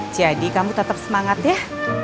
jadi kamu tetap semangat ya